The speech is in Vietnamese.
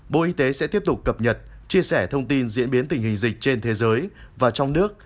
bộ y tế sẽ tiếp tục cập nhật chia sẻ thông tin diễn biến tình hình dịch trên thế giới và trong nước